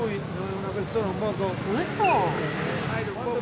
うそ。